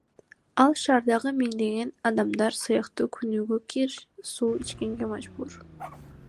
Ал шаардагы миңдеген адамдар сыяктуу күнүгө кир суу ичкенге мажбур.